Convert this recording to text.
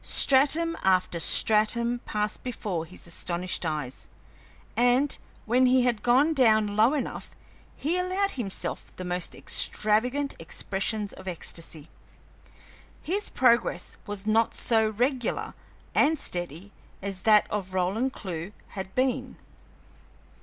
Stratum after stratum passed before his astonished eyes, and, when he had gone down low enough, he allowed himself the most extravagant expressions of ecstasy. His progress was not so regular and steady as that of Roland Clewe had been.